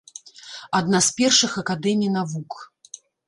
Адна з першых акадэмій навук.